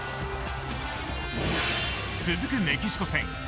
続くメキシコ戦。